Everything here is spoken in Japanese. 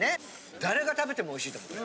誰が食べてもおいしいと思う。